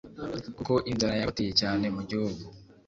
kuko inzara yabateye cyane mu igihugu